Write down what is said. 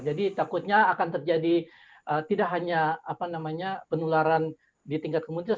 jadi takutnya akan terjadi tidak hanya penularan di tingkat komunitas